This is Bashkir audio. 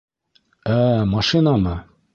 — Ә, машинамы?